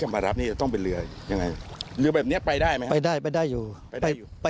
ประเทศเขา